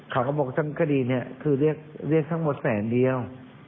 เขาบอกทั้งคดีนี้คือเรียกทั้งหมดแสนเดียว